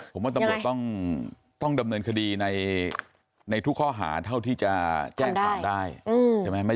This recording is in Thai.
ผมว่าตำรวจต้องดำเนินคดีในทุกข้อหาเท่าที่จะแจ้งความได้ใช่ไหม